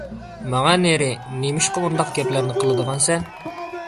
— ماڭە نېرى، نېمىشقا ئۇنداق گەپلەرنى قىلىدىغانسەن؟